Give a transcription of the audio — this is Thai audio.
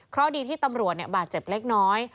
เพราะดีที่ตำรวจบาดเจ็บเล็กน้อย